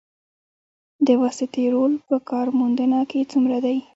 د واسطې رول په کار موندنه کې څومره دی؟